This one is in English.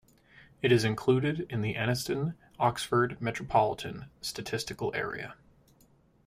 It is included in the Anniston-Oxford Metropolitan Statistical Area.